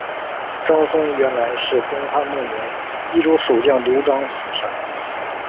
张松原来是东汉末年益州守将刘璋属下。